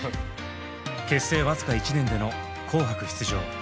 結成僅か１年での「紅白」出場。